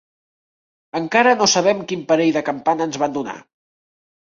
Encara no sabem quin parell de campana ens van donar.